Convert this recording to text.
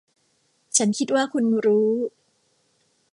ฉันคิดว่าคุณรู้